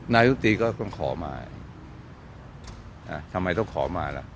นายุตรีก็ต้องขอมาทำไมต้องขอมาล่ะ